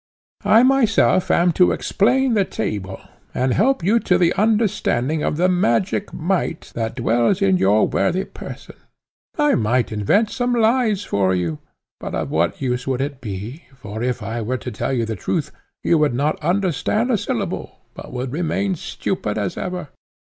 I myself am to explain the table, and help you to the understanding of the magic might that dwells in your worthy person! I might invent some lies for you, but of what use would it be, for, if I were to tell you the truth, you would not understand a syllable, but would remain stupid as ever?